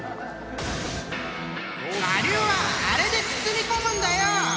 ［我流はあれで包み込むんだよ！］